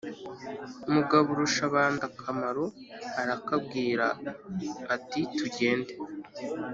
mugaburushabandakamaro arakabwira ati:tugende